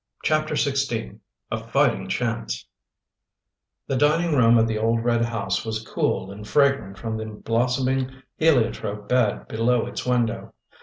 CHAPTER XVI A FIGHTING CHANCE The dining room of the old red house was cool, and fragrant from the blossoming heliotrope bed below its window.